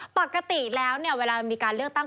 ปกติแล้วเนี่ยเวลามีการเลือกตั้ง